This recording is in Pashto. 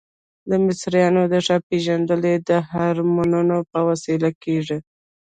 د مصریانو ښه پیژندنه د هرمونو په وسیله کیږي.